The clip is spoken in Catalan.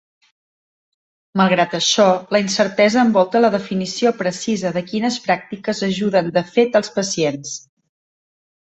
Malgrat això, la incertesa envolta la definició precisa de quines pràctiques ajuden de fet als pacients.